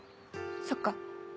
そっか。